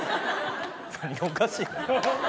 何がおかしい。